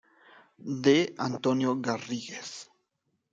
D. Antonio Garrigues.